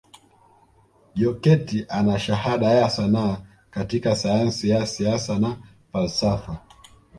Jokate ana shahada ya sanaa katika sayansi ya Siasa na falsafa